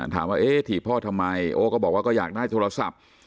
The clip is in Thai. ถามว่าที่พ่อทำไมโอ๊ะก็บอกว่าอยากได้โทรศัพท์